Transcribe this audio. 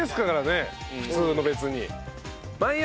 普通の別に。